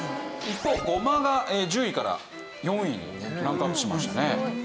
一方ごまが１０位から４位にランクアップしましたね。